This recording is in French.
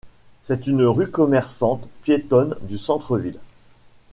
C'est une rue commerçante piétonne du centre ville.